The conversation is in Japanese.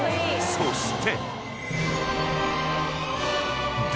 ［そして］